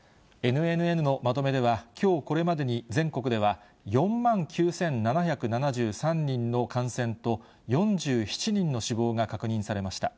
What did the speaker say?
ＮＮＮのまとめでは、きょう、これまでに全国では４万９７７３人の感染と、４７人の死亡が確認されました。